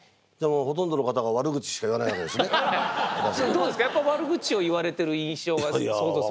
どうですかやっぱ悪口を言われてる印象が想像するに。